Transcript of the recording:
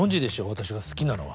私が好きなのは。